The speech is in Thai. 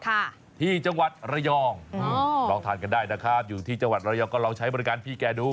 ค่ะที่จังหวัดระยองอืมลองทานกันได้นะครับอยู่ที่จังหวัดระยองก็ลองใช้บริการพี่แกดู